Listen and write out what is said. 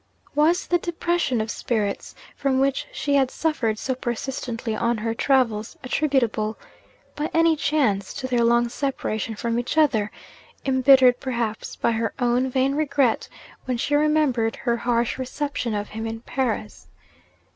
Was the depression of spirits from which she had suffered so persistently on her travels attributable, by any chance, to their long separation from each other embittered perhaps by her own vain regret when she remembered her harsh reception of him in Paris?